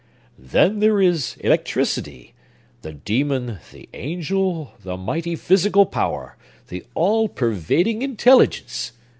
"Then there is electricity,—the demon, the angel, the mighty physical power, the all pervading intelligence!"